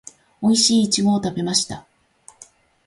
おいしいイチゴを食べました